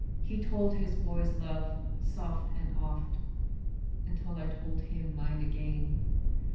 He told his boy's love, soft and oft, Until I told him mine again.